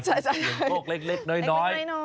เสียงโชคเล็กน้อย